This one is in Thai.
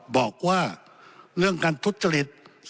บอกว่าเรื่องการทุจริต